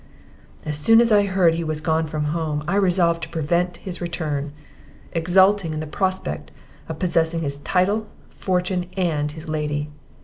"As soon as I heard he was gone from home, I resolved to prevent his return, exulting in the prospect of possessing his title, fortune, and his lady.